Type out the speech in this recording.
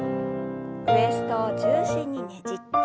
ウエストを中心にねじって。